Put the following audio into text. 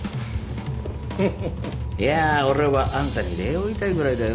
フフフいや俺はあんたに礼を言いたいぐらいだよ。